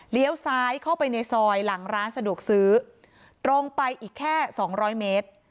ซ้ายเข้าไปในซอยหลังร้านสะดวกซื้อตรงไปอีกแค่สองร้อยเมตร